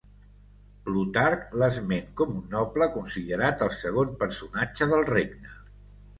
Plutarc l'esment com un noble considerat el segon personatge del regne.